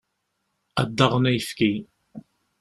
Ad d-aɣen ayefki.